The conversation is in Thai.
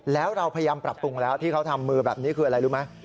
แล้วเราพยายามปรับปรุงแล้วที่เขาทำมือแบบนี้คืออะไรรู้ไหม